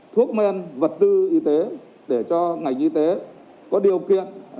thuốc men vật tư y tế để cho ngành y tế có điều kiện